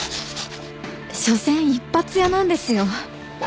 しょせん一発屋なんですよ。